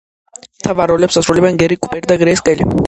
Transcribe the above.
მთავარ როლებს ასრულებენ გერი კუპერი და გრეის კელი.